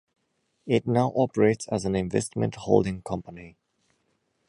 It now operates as an investment holding company.